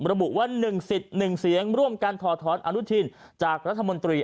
ระบุว่า๑สิทธิ์๑เสียงร่วมกันถอดถอนอนุทินจากรัฐมนตรี